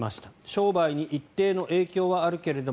商売に一定の影響はあるけれど